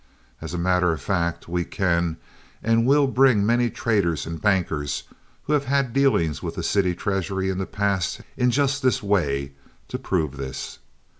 As a matter of fact we can and will bring many traders and bankers who have had dealings with the city treasury in the past in just this way to prove this.